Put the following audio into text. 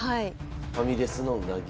「ファミレスのうなぎ」。